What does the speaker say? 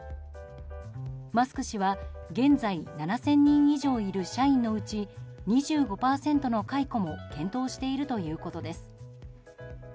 マスク氏は現在７０００人以上いる社員のうち２５％の解雇も検討しているということです。